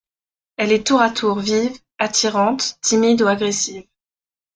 Elle est tour à tour vive, attirante, timide ou agressive.